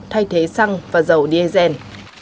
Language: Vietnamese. thay thế xăng và dầu diesel